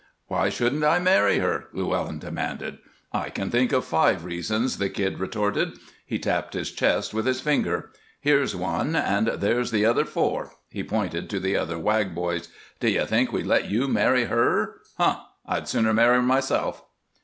"Why shouldn't I marry her?" Llewellyn demanded. "I can think of five reasons," the Kid retorted. He tapped his chest with his finger. "Here's one, and there's the other four." He pointed to the other Wag boys. "D'you think we'd let you marry her? Huh! I'd sooner marry her myself."